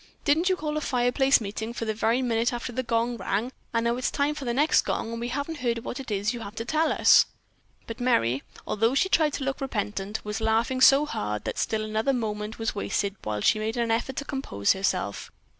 Didn't you call a fireplace meeting for the very minute after the gong rang, and now it's time for the next gong and we haven't heard what you have to tell us." But Merry, although she tried to look repentant, was laughing so hard that still another moment was wasted while she made an effort to compose herself.